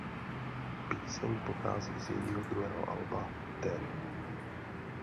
Píseň pochází z jejího druhého alba "Ten".